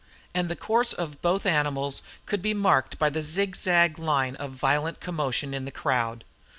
And the course of both animals could be marked by a zigzag line of violent commotion in the crowd.